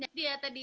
jadi ya tadi